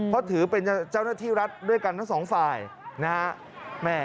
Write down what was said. เพราะถือเป็นเจ้าหน้าที่รัฐด้วยกันทั้งสองฝ่ายนะฮะ